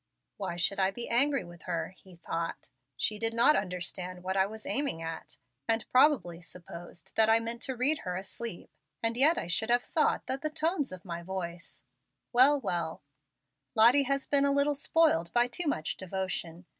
"Why should I be angry with her?" he thought, "she did not understand what I was aiming at, and probably supposed that I meant to read her asleep, and yet I should have thought that the tones of my voice Well, well, Lottie has been a little spoiled by too much devotion.